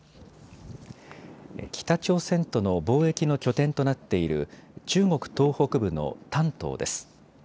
北朝鮮との貿易の拠点となっている中国東北部の丹東です。